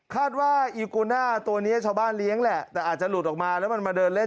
ว่าอีโกน่าตัวนี้ชาวบ้านเลี้ยงแหละแต่อาจจะหลุดออกมาแล้วมันมาเดินเล่น